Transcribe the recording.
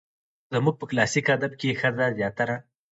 زموږ په کلاسيک ادب کې ښځه زياتره